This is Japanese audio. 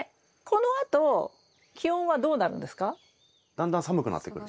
だんだん寒くなってくる。